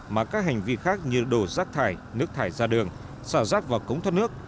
mà các hành vi khác như đổ rác thải nước thải ra đường xả rác vào cống thoát nước